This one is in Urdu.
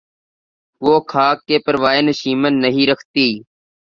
وہ خاک کہ پروائے نشیمن نہیں رکھتی